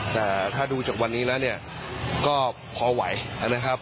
แต่ถ้าดูจากวันนี้แล้วเนี่ยก็พอไหวนะครับ